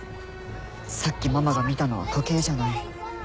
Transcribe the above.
さっきママが見たのは時計じゃない。